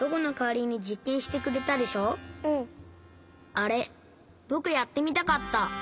あれぼくやってみたかった。